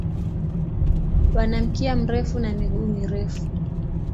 Wana mkia mrefu na miguu mirefu.